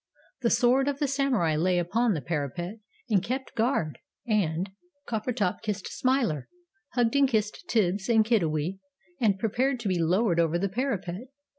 The sword of the Samurai lay upon the parapet and kept guard, and Coppertop kissed Smiler, hugged and kissed Tibbs and Kiddiwee, and prepared to be lowered over the parapet.